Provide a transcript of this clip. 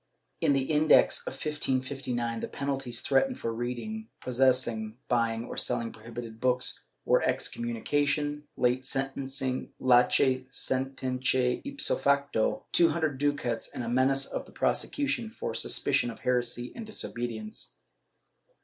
^ In the Index of 1559, the penalties threatened for reading, posses sing, buying or selling prohibited books were excommunication latce sententce ipso facto, two hundred ducats and a menace of prosecution for suspicion of heresy and disobedience.